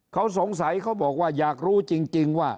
เขาสงสัยเขาบอกว่าอยากรู้จริงว่า